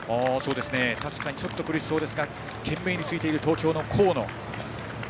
確かにちょっと苦しそうですが懸命についている東京の河野。